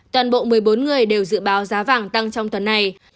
toàn bộ một mươi bốn người đều dự báo giá vàng tăng trong tuần này